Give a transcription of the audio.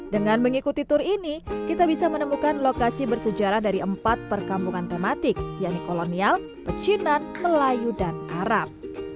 dengan mengikuti tur ini kita bisa menemukan lokasi bersejarah dari empat perkampungan tematik yaitu kolonial pecinan melayu dan arab